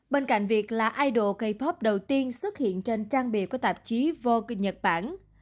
bên cạnh việc là idol k pop đầu tiên xuất hiện trên trang bìa của tạp chí vogue nhật bản